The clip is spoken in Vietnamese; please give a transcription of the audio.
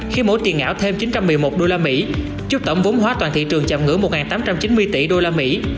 khi mỗi tiền ảo thêm chín trăm một mươi một đô la mỹ trước tổng vốn hóa toàn thị trường chạm ngưỡng một tám trăm chín mươi tỷ đô la mỹ